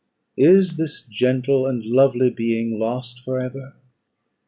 Is this gentle and lovely being lost for ever?